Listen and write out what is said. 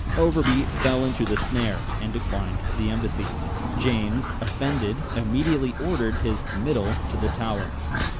Overbury fell into the snare, and declined the embassy. James, offended, immediately ordered his committal to the Tower.